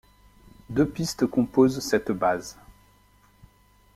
Deux pistes composent cette base.